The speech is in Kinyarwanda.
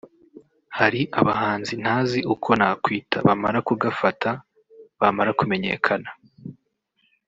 “Hari abahanzi ntazi uko nakwita bamara kugafata(bamara kumenyekana)